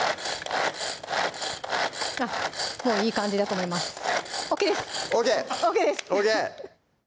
もういい感じだと思いますＯＫです